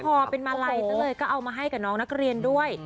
พอเป็นมาลัยซะเลยก็เอามาให้กับน้องนักเรียนด้วย